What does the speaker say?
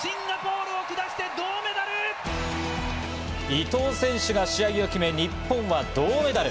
伊藤選手が試合を決め、日本は銅メダル。